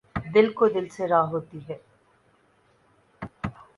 دِل کو دِل سے راہ ہوتی ہے